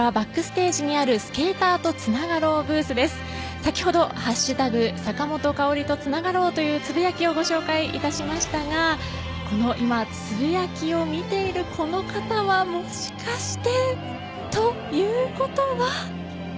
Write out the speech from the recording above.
先ほど「＃坂本花織とつながろう」というつぶやきをご紹介致しましたが今つぶやきを見ている方はもしかして。